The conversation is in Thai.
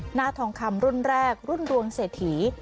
หน้าทองคำรุ่นแรกรุ่นดวงเศรษฐี